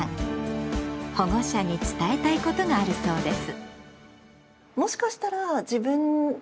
保護者に伝えたいことがあるそうです。